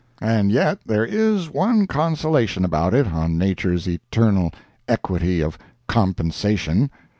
And yet there is one consolation about it on Nature's eternal equity of "compensation."